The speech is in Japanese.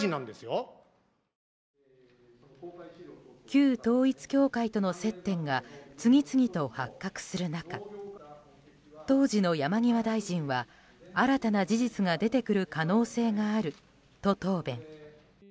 旧統一教会との接点が次々と発覚する中当時の山際大臣は新たな事実が出てくる可能性があると答弁。